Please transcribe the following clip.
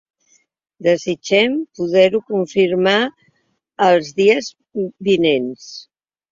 Desitgem poder-ho confirmar els dies vinents.